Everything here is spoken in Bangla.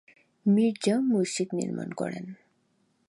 মির্জা মসজিদ নির্মাণ করেন।